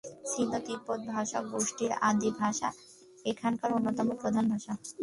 সিনো-তিব্বতি ভাষা গোষ্ঠীর আদি ভাষা এখানকার অন্যতম প্রধান ভাষা।